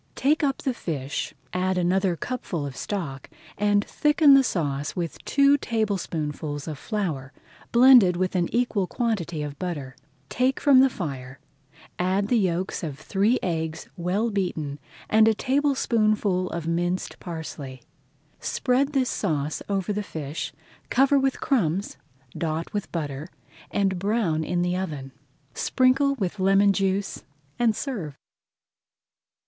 Take up the fish, add another cupful of stock, and thicken the sauce with two tablespoonfuls of flour, blended with an equal quantity of butter. Take from the fire, add the yolks of three eggs well beaten and a tablespoonful of minced parsley. Spread this sauce over the fish, cover with crumbs, dot with butter, and brown in the oven. Sprinkle with lemon juice and serve.